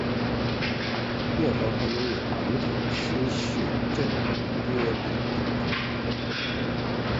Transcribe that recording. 庙方还拥有林口新市镇多笔土地。